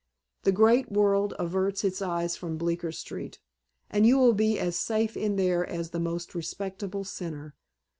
The great world averts its eyes from Bleecker Street, and you will be as safe in there as the most respectable sinner.